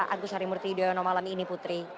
agus harimurti yudhoyono malam ini putri